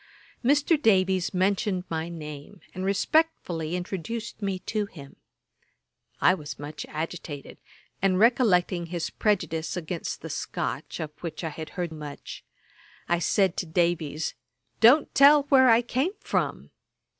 Mr. Davies mentioned my name, and respectfully introduced me to him. I was much agitated; and recollecting his prejudice against the Scotch, of which I had heard much, I said to Davies, 'Don't tell where I come from.'